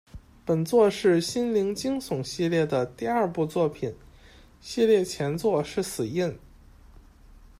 本作是「心灵惊悚系列」的第二部作品，系列前作是《死印》。